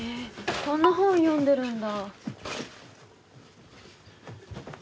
こんな本読んでるんだ。